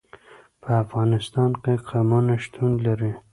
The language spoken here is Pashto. په افغانستان کې قومونه شتون لري.